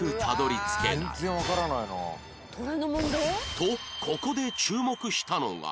とここで注目したのが